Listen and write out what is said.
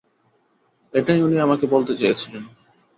এটাই উনি আমাকে বলতে চেয়েছিলেন।